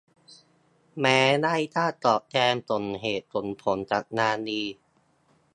แม้ได้ค่าตอบแทนสมเหตุสมผลกับงานดี